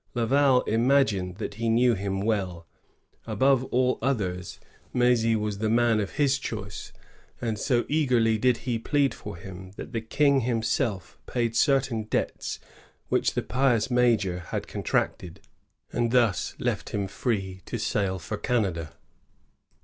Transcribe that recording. Laval imagined that he knew him well. Above all others, M^zy was the man of his choice; and so eagerly did he plead for him that the King himself paid certain debts which the pious major had contracted, and thus left him free to sail for Canada.